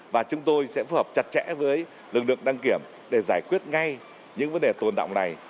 và chúng tôi sẽ phù hợp chặt chẽ với lực lượng đăng kiểm để giải quyết ngay những vấn đề tồn động này